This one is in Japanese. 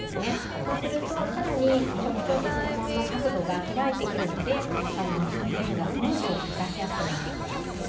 そうするとさらに直腸と肛門の角度が開いてきますので便がスムーズに出しやすくなってきます。